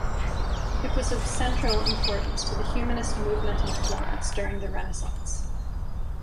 It was of central importance to the humanist movement in Florence during the Renaissance.